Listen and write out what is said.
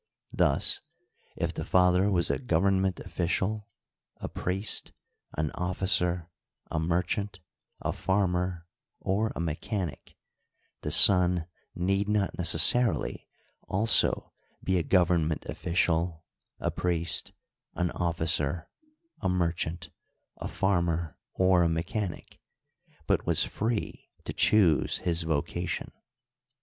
Thus, if the father was a gov ernment official, a priest, an officer, a merchant, a farmer, or a mechanic, the son need not necessarily also be a gov ernment official, a priest, an officer, a merchant, a farmer, or a mechanic, but was free to choose his vocation.